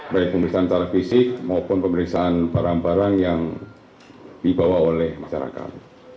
baik pemeriksaan secara fisik maupun pemeriksaan barang barang yang dibawa oleh masyarakat